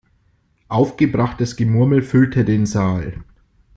Aufgebrachtes Gemurmel füllte den Saal.